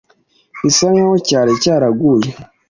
bisa nk'aho cyari cyaraguye